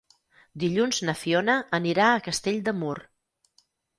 Dilluns na Fiona anirà a Castell de Mur.